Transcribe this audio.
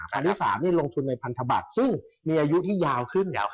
ภาษาศาสตร์ลงทุนในพันธบัตรซึ่งมีอายุที่ยาวขึ้น